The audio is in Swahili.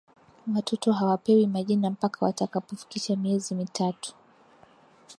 watoto hawapewi majina mpaka watakapofikisha miezi mitatu